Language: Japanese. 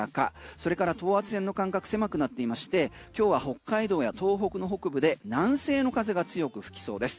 それから等圧線の間隔狭くなっていまして今日は北海道や東北の北部で南西の風が強く吹きそうです。